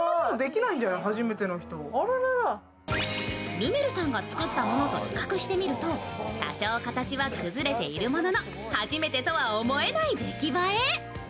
ルメルさんが作ったものと比較してみると多少形は崩れているものの初めてとは思えない出来栄え。